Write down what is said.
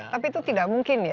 tapi itu tidak mungkin ya